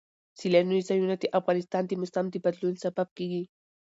سیلاني ځایونه د افغانستان د موسم د بدلون سبب کېږي.